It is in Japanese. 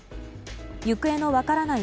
行方の分からない